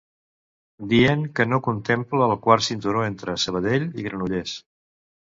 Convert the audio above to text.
Dient que no contempla el Quart Cinturó entre Sabadell i Granollers.